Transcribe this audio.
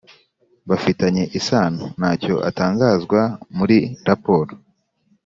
Bafitanye isano na cyo atangazwa muri raporo